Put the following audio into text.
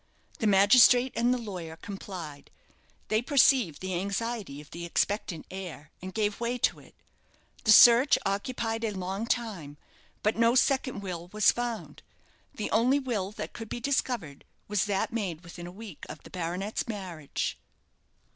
The magistrate and the lawyer complied. They perceived the anxiety of the expectant heir, and gave way to it. The search occupied a long time, but no second will was found; the only will that could be discovered was that made within a week of the baronet's marriage.